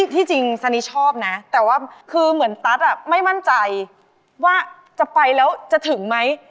ที่จริงซานิชอบนะแต่ว่าคือเหมือนตั๊ดไม่มั่นใจว่าจะไปแล้วจะถึงไหม